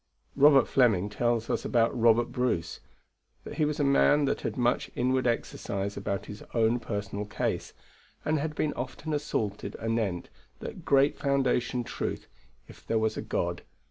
Robert Fleming tells us about Robert Bruce, that he was a man that had much inward exercise about his own personal case, and had been often assaulted anent that great foundation truth, if there was a God.